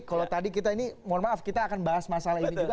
kalau tadi kita ini mohon maaf kita akan bahas masalah ini juga